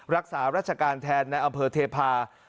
รักษาราชการแทนในอำเภอเทพา